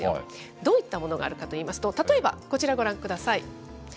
どういったものがあるかといいますと、例えばこちらご覧ください。